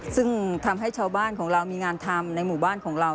ซึ่งทำให้ชาวบ้านของเรามีงานทำในหมู่บ้านของเรา